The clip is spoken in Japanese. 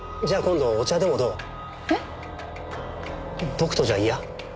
僕とじゃ嫌？